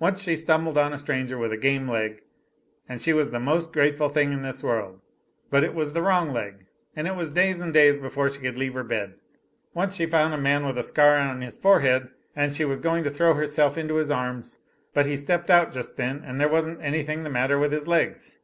Once she stumbled on a stranger with a game leg; and she was the most grateful thing in this world but it was the wrong leg, and it was days and days before she could leave her bed. Once she found a man with a scar on his forehead and she was just going to throw herself into his arms, but he stepped out just then, and there wasn't anything the matter with his legs.